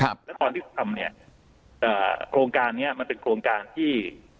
แล้วตอนที่ทำเนี้ยเอ่อโครงการเนี้ยมันเป็นโครงการที่